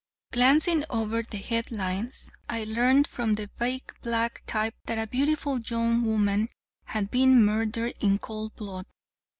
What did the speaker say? Glancing over the headlines, I learned from the big black type that a beautiful young woman had been murdered in cold blood.